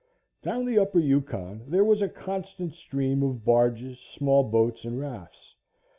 Down the Upper Yukon there was a constant stream of barges, small boats and rafts.